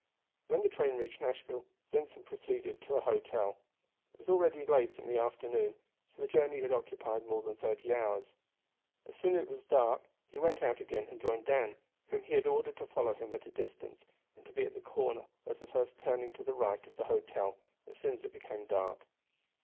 When the train reached Nashville, Vincent proceeded to an hotel. It was already late in the afternoon, for the journey had occupied more than thirty hours. As soon as it was dark he went out again and joined Dan, whom he had ordered to follow him at a distance and to be at the corner of the first turning to the right of the hotel as soon as it became dark.